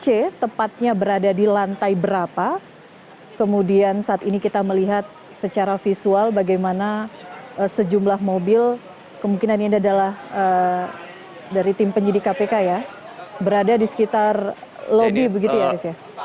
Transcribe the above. c tepatnya berada di lantai berapa kemudian saat ini kita melihat secara visual bagaimana sejumlah mobil kemungkinan ini adalah dari tim penyidik kpk ya berada di sekitar lobi begitu ya arief ya